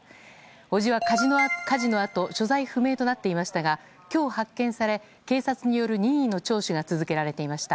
伯父は火事のあと所在不明となっていましたが今日発見され警察による任意の聴取が続けられていました。